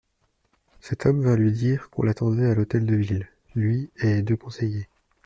Cet homme vint lui dire qu'on l'attendait à l'Hôtel de Ville, lui et deux conseillers.